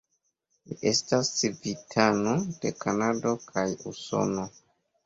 Li estas civitano de Kanado kaj Usono.